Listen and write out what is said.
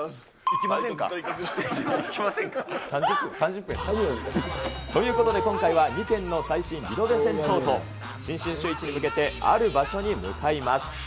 行きませんか？ということで今回は、２軒の最新リノベ銭湯と、新春シューイチに向けて、ある場所に向かいます。